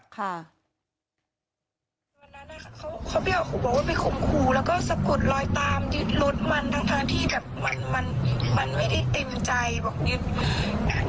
ครับ